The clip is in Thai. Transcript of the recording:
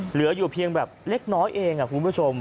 เหลืออยู่เพียงแบบเล็กน้อยเองคุณผู้ชม